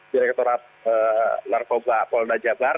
direkturat narkoba polda jablar